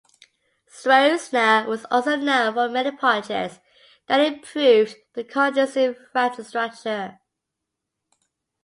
Stroessner was also known for many projects that improved the country's infrastructure.